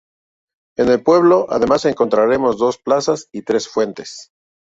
En el pueblo, además, encontraremos dos plazas y tres fuentes.